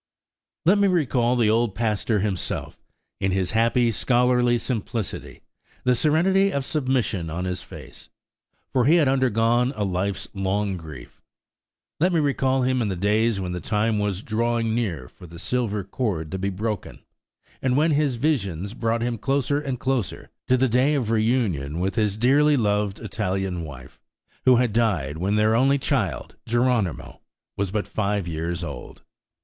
Let me recall the old Pastor himself, in his happy, scholarly simplicity; the serenity of submission on his face, for he had undergone a life's long grief. Let me recall him in the days when the time was drawing hear for the silver chord to be broken, and when his visions brought him closer and closer to the day of re union with his dearly loved Italian wife, who had died when their only child, Geronimo, was but five years old.